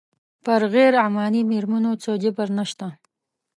پر غیر عماني مېرمنو څه جبر نه شته.